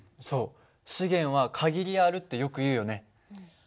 そう資源は限りあるってよくいうよね。